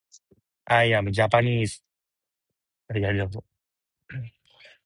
One more generation may be postulated between Beldis and Brandir.